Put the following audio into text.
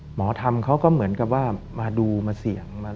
หมอธรรมเขาก็เหมือนกับว่ามาดูมาเสี่ยง